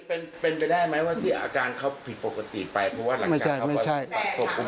เป็นไปได้ไหมว่าที่อาจารย์เขาผิดปกติไปเพราะว่าหลังจากเขาปฏิเสธ